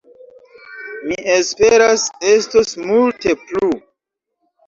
Mi esperas, estos multe plu!